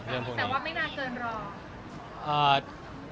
แต่ว่าไม่นานเกินรอ